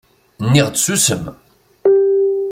Nniɣ-d ssusem!